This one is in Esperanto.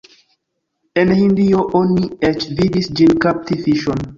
En Hindio oni eĉ vidis ĝin kapti fiŝon.